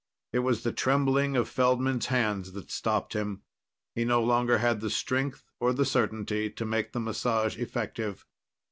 It was the trembling of Feldman's hands that stopped him. He no longer had the strength or the certainty to make the massage effective.